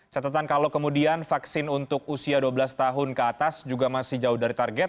catatan kalau kemudian vaksin untuk usia dua belas tahun ke atas juga masih jauh dari target